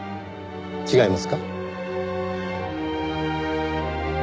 違いますか？